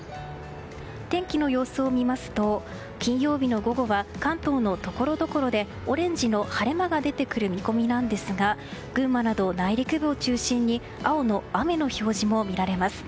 天気の様子を見ますと金曜日の午後は関東のところどころでオレンジの晴れ間が出てくる見込みなんですが群馬など内陸部を中心に青の雨の表示も見られます。